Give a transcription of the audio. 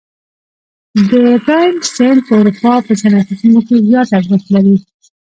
د راین سیند په اروپا په صنعتي سیمو کې زیات ارزښت لري.